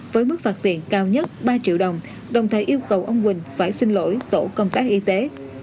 với mức phạt tiền cao nhất ba triệu đồng đồng thời yêu cầu ông quỳnh phải xin lỗi tổ công tác y tế